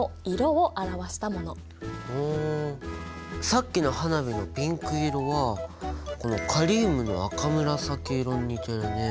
さっきの花火のピンク色はこのカリウムの赤紫色に似てるね。